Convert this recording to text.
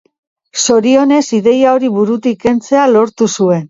Zorionez, ideia hori burutik kentzea lortu nuen.